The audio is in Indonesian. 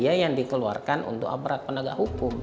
itu baru biaya yang dikeluarkan untuk aparat penegak hukum